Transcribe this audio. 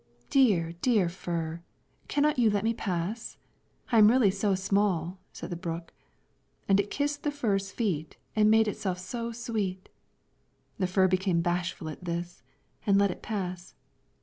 "Dear, dear fir, cannot you let me pass? I am really so small," said the brook, and it kissed the fir's feet and made itself so very sweet. The fir became bashful at this, and let it pass.